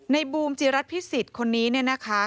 บูมจีรัฐพิสิทธิ์คนนี้เนี่ยนะคะ